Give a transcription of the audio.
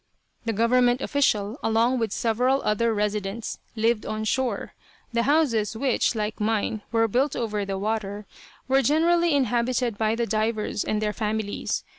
The government official, along with several other residents, lived on shore. The houses which, like mine, were built over the water, were generally inhabited by the divers and their families.